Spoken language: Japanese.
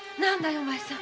お前さん。